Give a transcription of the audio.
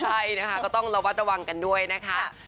ใช่นะคะก็ต้องระวัดระวังกันด้วยนะคะ